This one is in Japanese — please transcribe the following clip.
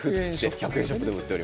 １００円ショップで。